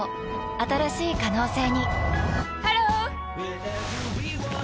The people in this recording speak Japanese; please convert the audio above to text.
新しい可能性にハロー！